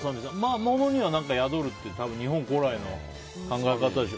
物には宿るって日本古来の考え方でしょ。